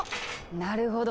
なるほど！